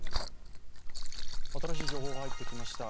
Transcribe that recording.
新しい情報が入ってきました。